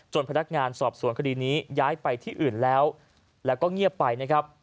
พนักงานสอบสวนคดีนี้ย้ายไปที่อื่นแล้วแล้วก็เงียบไปนะครับ